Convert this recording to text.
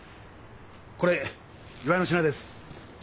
これ祝いの品です。